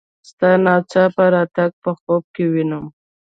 ستا ناڅاپه راتګ په خوب کې وینم.